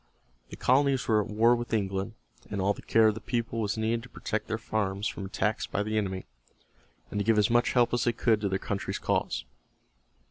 The colonies were at war with England, and all the care of the people was needed to protect their farms from attacks by the enemy, and to give as much help as they could to their country's cause.